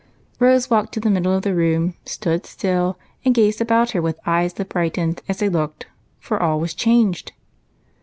Rose walked to the middle of the room, stood still, and gazed about her with eyes that brightened as they looked, for all was changed.